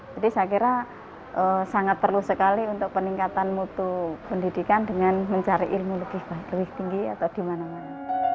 jadi saya kira sangat perlu sekali untuk peningkatan mutu pendidikan dengan mencari ilmu lebih tinggi atau di mana mana